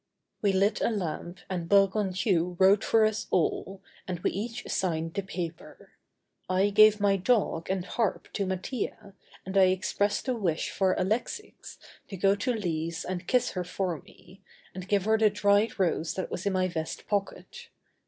We lit a lamp and Bergounhoux wrote for us all, and we each signed the paper. I gave my dog and harp to Mattia and I expressed a wish for Alexix to go to Lise and kiss her for me, and give her the dried rose that was in my vest pocket.